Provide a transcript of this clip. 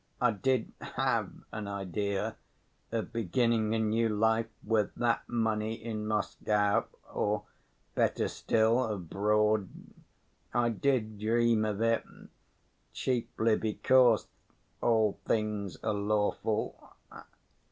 "I did have an idea of beginning a new life with that money in Moscow or, better still, abroad. I did dream of it, chiefly because 'all things are lawful.